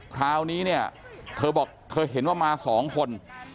คราวนี้เนี่ยเธอบอกเธอเห็นว่ามาสองคน